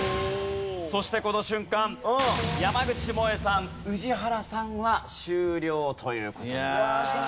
そしてこの瞬間山口もえさん宇治原さんは終了という事になりました。